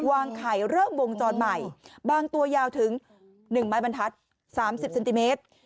วางไข่เริ่มวงจรใหม่บางตัวยาวถึง๑ไม้บรรทัศน์๓๐เซนติเมตร